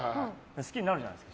好きになるじゃないですか。